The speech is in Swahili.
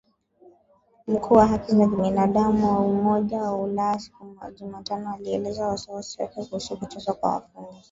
Mkuu wa haki za binadamu wa Umoja wa Ulaya siku ya Jumatano alielezea wasiwasi wake kuhusu kuteswa kwa wafungwa